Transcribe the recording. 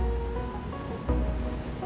ibu bisa denger suara hati aku